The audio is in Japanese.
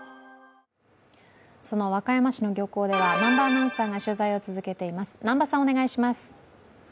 その和歌山市の漁港では南波アナウンサーが取材を続けています。